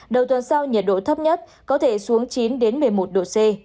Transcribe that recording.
đầu tuần sau nhiệt độ thấp nhất có thể xuống chín một mươi một độ c